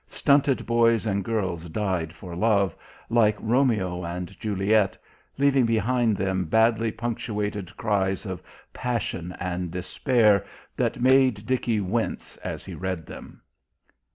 Stunted boys and girls died for love, like Romeo and Juliet, leaving behind them badly punctuated cries of passion and despair that made Dickie wince as he read them....